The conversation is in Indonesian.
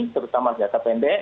terutama senjata pendek